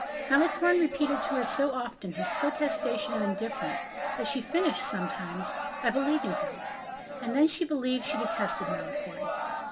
Malicorne repeated to her so often his protestation of indifference, that she finished, sometimes, by believing him; and then she believed she detested Malicorne.